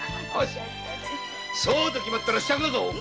そうと決まったら支度だぞ！